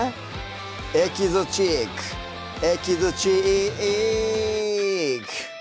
「エキゾチックエキゾチック」